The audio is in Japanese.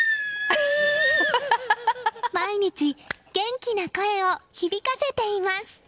毎日、元気な声を響かせています。